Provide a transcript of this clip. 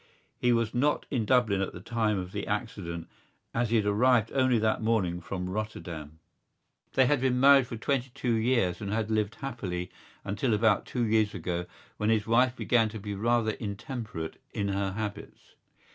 He was not in Dublin at the time of the accident as he had arrived only that morning from Rotterdam. They had been married for twenty two years and had lived happily until about two years ago when his wife began to be rather intemperate in her habits.